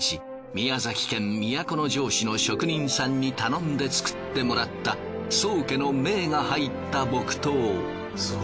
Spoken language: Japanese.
宮崎県都城市の職人さんに頼んで作ってもらった宗家の銘が入った木刀。